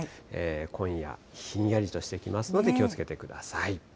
今夜、ひんやりとしてきますので、気をつけてください。